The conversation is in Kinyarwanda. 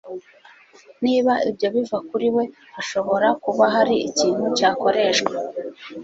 Niba ibyo biva kuri we hashobora kuba hari ikintu cyakoreshwa